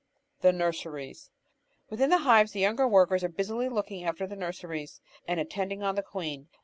The Nurseries Within the hives the younger workers are busily looking after the nurseries and attending on the queen.